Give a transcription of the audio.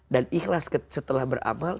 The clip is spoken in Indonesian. dan ikhlas setelah beramal